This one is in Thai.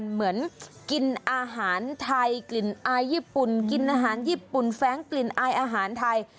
เหมือนกินอาหารไทยกลิ่นอายญี่ปุ่นกินอาหารญี่ปุ่นแฟ้งกลิ่นอายอาหารไทย